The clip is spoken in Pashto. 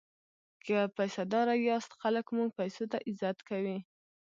که پیسه داره یاست خلک مو پیسو ته عزت کوي.